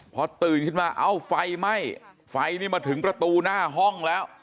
พอตื่นขึ้นมาเอ้าไฟไหม้ไฟนี่มาถึงประตูหน้าห้องแล้ว